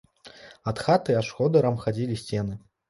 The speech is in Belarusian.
Ад хаты аж ходырам хадзілі сцены.